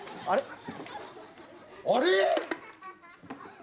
あれ？